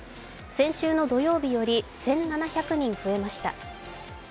先週の土曜日より１７００人増えました。